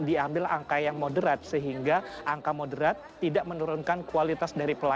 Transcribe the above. bond kesempatan halian memberikan anti imbalan untuk memengaruhi suning website arofa